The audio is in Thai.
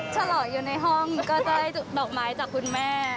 ฉลออยู่ในห้องก็จะได้ดอกไม้จากคุณแม่